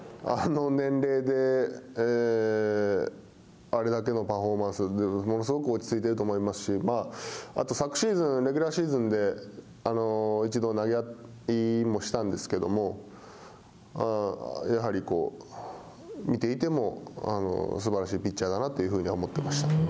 あの年齢であれだけのパフォーマンス、ものすごく落ち着いてると思いますし、あと昨シーズンはレギュラーシーズンで一度投げ合いもしたんですけれども、やはり見ていてもすばらしいピッチャーだなというふうには思ってました。